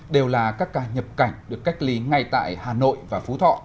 đều là các ca nhập cảnh được cách ly ngay tại hà nội và phú thọ